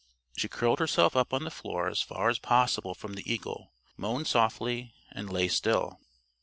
She curled herself up on the floor as far as possible from the eagle, moaned softly and lay still.